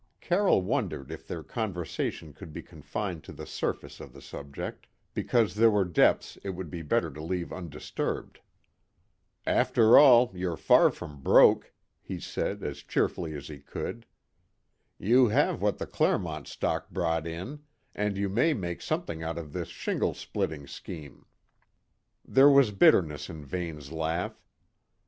Carroll wondered if their conversation could be confined to the surface of the subject, because there were depths it would be better to leave undisturbed. "After all, you're far from broke," he said as cheerfully as he could. "You have what the Clermont stock brought in, and you may make something out of this shingle splitting scheme." There was bitterness in Vane's laugh.